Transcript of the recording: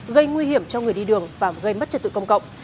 gây nguy hiểm cho người đi đường và gây mất trật tự công cộng